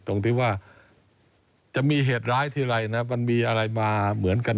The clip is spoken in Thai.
ตรงที่ว่าจะมีเหตุร้ายทีไรนะมันมีอะไรมาเหมือนกัน